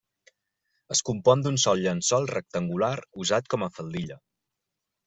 Es compon d'un sol llençol rectangular usat com a faldilla.